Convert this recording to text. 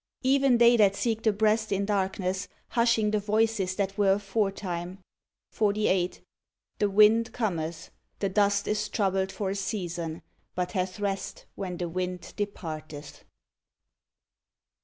Even they that seek the breast in darkness, hushing the voices that were aforetime. 48. The wind cometh, the dust is troubled for a season, but hath rest when the wind departeth.